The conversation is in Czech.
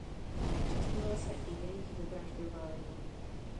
Zúčastnila se i jejich vyvražďování.